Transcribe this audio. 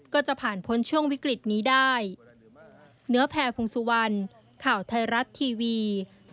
ก็จะผ่านพ้นช่วงวิกฤตนี้ได้